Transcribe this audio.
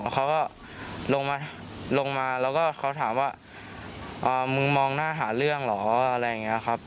เขาก็ลงมาลงมาแล้วก็เขาถามว่ามึงมองหน้าหาเรื่องเหรออะไรอย่างนี้ครับ